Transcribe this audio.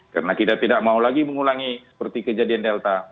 karena kita tidak mau lagi mengulangi seperti kejadian delta